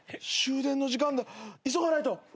終電の時間だ急がないと。